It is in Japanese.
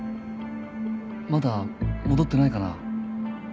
まだ戻ってないかな？